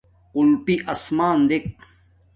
قُلپݵ اَسمݳن دیک.